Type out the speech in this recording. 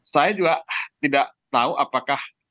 saya juga tidak tahu apakah